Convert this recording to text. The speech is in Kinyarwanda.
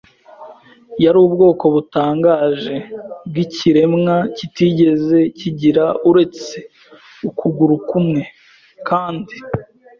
yari ubwoko butangaje bwikiremwa kitigeze kigira uretse ukuguru kumwe, kandi